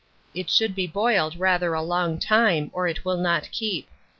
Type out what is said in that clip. It should be boiled rather a long time, or it will not keep.